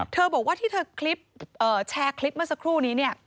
เธอบอกว่าที่เธอแชร์คลิปเมื่อสักครู่นี้